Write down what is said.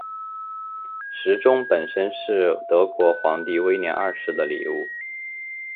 时钟本身是是德国皇帝威廉二世的礼物。